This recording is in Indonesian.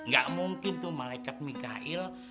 gak mungkin tuh malaikat mikail